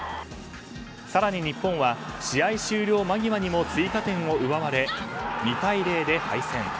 更に日本は試合終了間際にも追加点を奪われ２対０で敗戦。